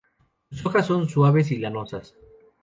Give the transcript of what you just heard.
Sus hojas son suaves y lanosas.